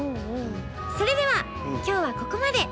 それでは今日はここまで。